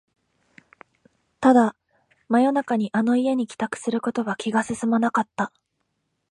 ただ、真夜中にあの家に帰宅することは気が進まなかった